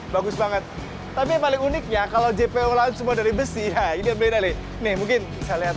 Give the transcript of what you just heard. bagus banget tapi paling uniknya kalau jpe lan semua dari besi ini beli nih mungkin saya lihat